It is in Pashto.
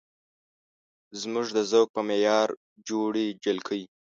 زموږ د ذوق په معیار جوړې جلکۍ